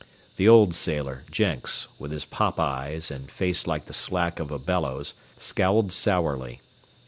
The old sailor, Jenks, with his pop eyes, and face like the slack of a bellows, scowled sourly.